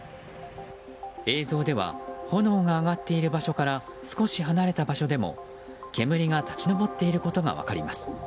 映像では炎が上がっている場所から少し離れた場所でも煙が立ち上っていることが分かります。